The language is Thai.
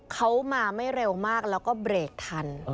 เขามาไม่เร็วมากแล้วก็เบรกทัน